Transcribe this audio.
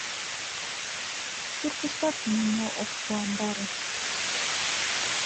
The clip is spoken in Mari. Суртыштат нимо ок куандаре.